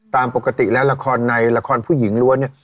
ตามปกติแล้วละครในละครผู้หญิงรั้วเนี่ย